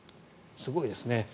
すごいですね。